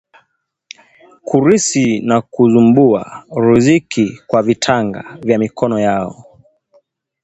kurithi na kuzumbua riziki kwa vitanga vya mikono yao